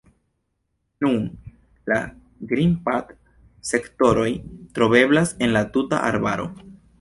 Nun, la grimpad-sektoroj troveblas en la tuta arbaro.